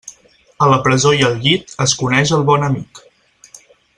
A la presó i al llit es coneix el bon amic.